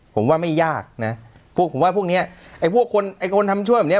ผมว่าไม่ยากนะพวกผมว่าพวกเนี้ยไอ้พวกคนไอ้คนทำช่วยแบบเนี้ย